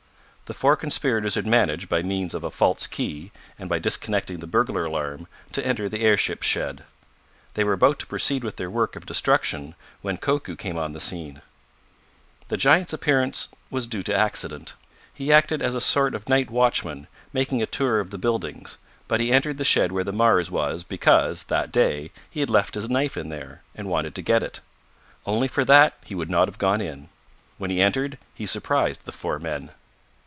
The four conspirators had managed, by means of a false key, and by disconnecting the burglar alarm, to enter the airship shed. They were about to proceed with their work of destruction when Koku came on the scene. The giant's appearance was due to accident. He acted as a sort of night watchman, making a tour of the buildings, but he entered the shed where the Mars was because, that day, he had left his knife in there, and wanted to get it. Only for that he would not have gone in. When he entered he surprised the four men.